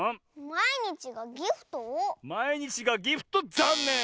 「まいにちがギフト」ざんねん！